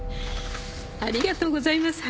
ありがとうございます。